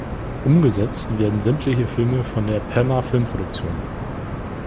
Umgesetzt werden sämtliche Filme von der "Pammer Film-Produktion".